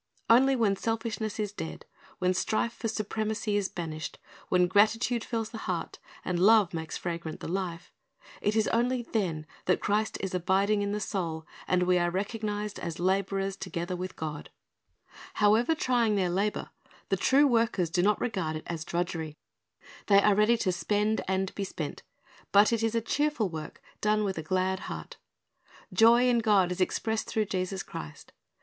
Only when selfishness is dead, when strife for supremacy is banished, when gratitude fills the heart, and love makes fragrant the life, — it is only then that Christ is abiding in the soul, and we are recognized as laborers together with God. However trying their labor, the true workers do not Th e Rezv ar d of Grace 403 regard it as drudgery. They are ready to spend and to be spent; but it is a cheerful work, done with a glad heart. Joy in God is expressed through Jesus Christ.